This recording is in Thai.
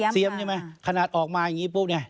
ใช่ไหมขนาดออกมาอย่างนี้ปุ๊บเนี่ย